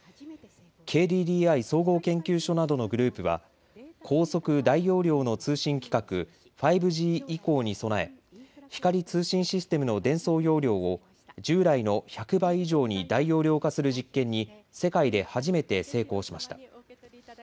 ＫＤＤＩ総合研究所などのグループは高速・大容量の通信規格、５Ｇ以降に備え光通信システムの伝送容量を従来の１００倍以上に大容量化する実験に世界で初めて成功しました。